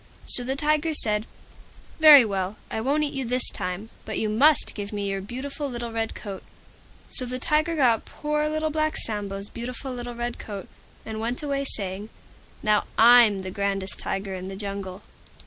So the Tiger said, "Very well, I won't eat you this time, but you must give me your beautiful little Red Coat." So the Tiger got poor Little Black Sambo's beautiful little Red Coat, and went away saying, "Now I'm the grandest Tiger in the Jungle."